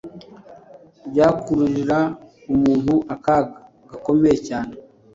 byakururira umuntu akaga gakomeye cyane